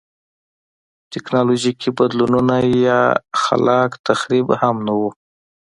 ټکنالوژیکي بدلونونه یا خلاق تخریب هم نه و.